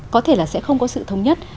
có thể là sẽ không có sự thống nhất